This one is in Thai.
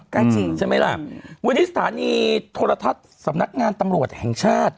ก็จริงใช่ไหมล่ะวันนี้สถานีโทรทัศน์สำนักงานตำรวจแห่งชาติ